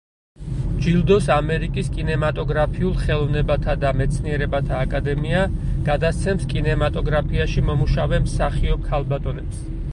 ჯილდოს ამერიკის კინემატოგრაფიულ ხელოვნებათა და მეცნიერებათა აკადემია გადასცემს კინემატოგრაფიაში მომუშავე მსახიობ ქალბატონებს.